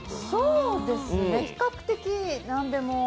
そうですね、比較的何でも。